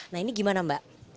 nah ini gimana mbak